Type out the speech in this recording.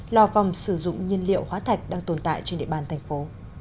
lò vòng sử dụng nhiên liệu hóa thạch đang tồn tại trên địa bàn thành phố